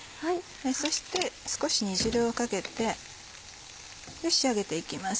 そして少し煮汁をかけて仕上げていきます。